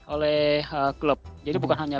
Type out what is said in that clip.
oleh klub jadi bukan hanya